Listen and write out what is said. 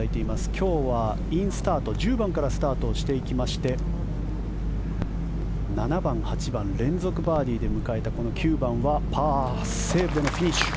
今日はインスタート１０番からスタートしていきまして７番、８番連続バーディーで迎えたこの９番はパーセーブのフィニッシュ。